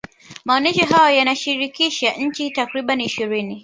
maonesho hayo yanashirikisha nchi takribani ishirini